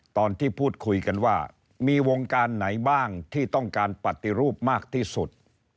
ตอนที่พูดคุยกันว่ามีวงการไหนบ้างที่ต้องการปฏิรูปมากที่สุด